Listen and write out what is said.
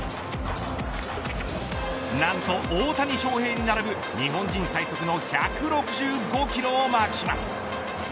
なんと大谷翔平に並ぶ日本人最速の１６５キロをマークします。